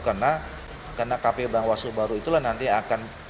karena kpu dan bawaslu baru itu nanti akan